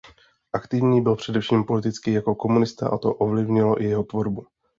Aktivní byl především politicky jako komunista a to ovlivnilo i jeho tvorbu.